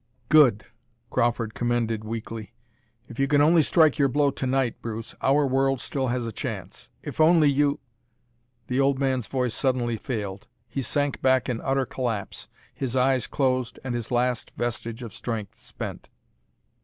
"Good!" Crawford commended weakly. "If you can only strike your blow to night, Bruce, our world still has a chance. If only you " The old man's voice suddenly failed. He sank back in utter collapse, his eyes closed and his last vestige of strength spent.